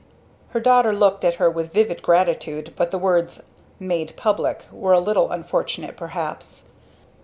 Her daughter looked at her with vivid gratitude, but the words "made public" were a little unfortunate perhaps.